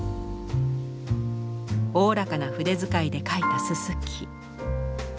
おおらかな筆遣いで描いたすすき。